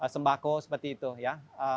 sembako seperti itu ya